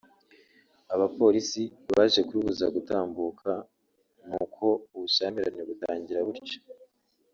Abapolisi baje kurubuza gutambuka n’uko ubushyamirane butangira butyo